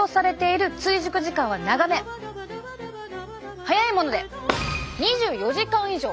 早いもので２４時間以上！